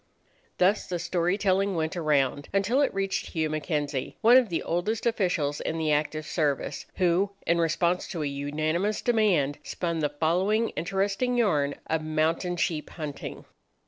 Thus the story telling went around until it reached Hugh M'Kenzie, one of the oldest officials in the active service, who, in response to a unanimous demand, spun the following interesting yarn of mountain sheep hunting.